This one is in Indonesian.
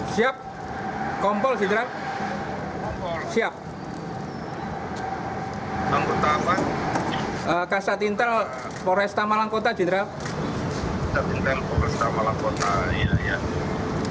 siap jenderal enam orang jenderal dengan kami